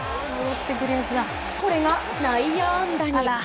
これが内野安打に。